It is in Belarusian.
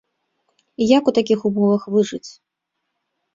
І як у такіх умовах выжыць?